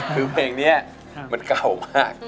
คือเพลงนี้มันเก่ามาก